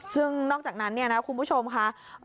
ซึ่งนอกจากนั้นเนี่ยนะคุณผู้ชมค่ะ